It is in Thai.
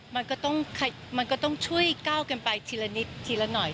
มันก็ต้องมันก็ต้องช่วยก้าวกันไปทีละนิดทีละหน่อย